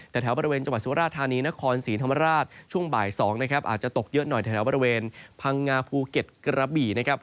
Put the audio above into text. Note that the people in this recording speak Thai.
แต่แถวบริเวณจังหวัดสุราธานีนครศรีธรรมราชช่วงบ่าย๒นะครับอาจจะตกเยอะหน่อยแถวบริเวณพังงาภูเก็ตกระบี่นะครับ